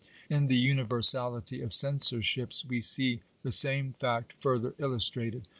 In the univer sality of censorships we see the same fact further illustrated.